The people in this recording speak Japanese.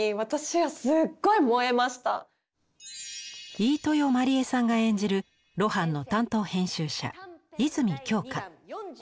飯豊まりえさんが演じる露伴の担当編集者泉京香。